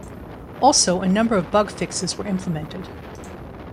Also a number of bug fixes were implemented.